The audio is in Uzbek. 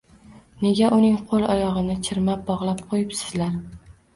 Nega uning qo`l-oyog`ini chirmab bog`lab qo`yibsizlar